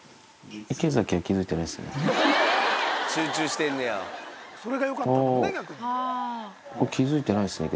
池崎は気付いてないですね。